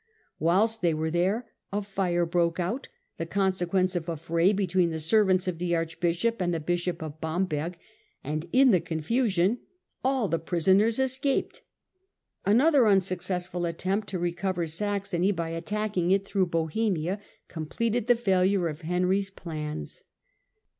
Whilst they were there a fire broke out, the consequence of a fray between the servants of the archbishop and the bishop of Bamberg, and in the confusion all the prisoners escaped* Another unsuccessftil attempt to recover Saxony by attacking it through Bohemia completed the failure of Henry's plans.